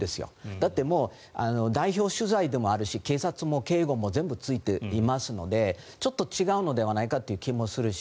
だって、代表取材でもあるし警察も警護も全部ついていますのでちょっと違うのではないかという気もするし。